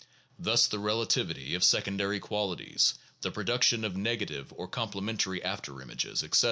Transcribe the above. Thus the relativity of secondary qualities, the production of negative or complementary after images, etc.